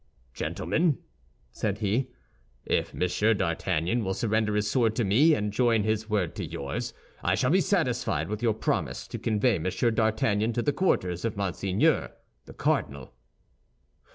"Gentlemen," said he, "if Monsieur d'Artagnan will surrender his sword to me and join his word to yours, I shall be satisfied with your promise to convey Monsieur d'Artagnan to the quarters of Monseigneur the Cardinal."